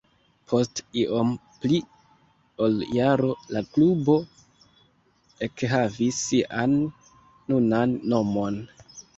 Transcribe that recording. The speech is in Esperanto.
Post iom pli ol jaro la klubo ekhavis sian nunan nomon.